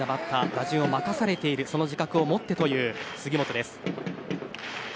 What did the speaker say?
打順を任されているその自覚をもってという杉本。